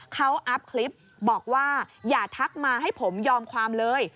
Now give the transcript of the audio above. เขาอัพคลิปบอกว่าอย่าทักมาให้ผมยอมความเลย